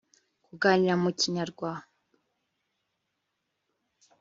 kuganira mu kinyarwa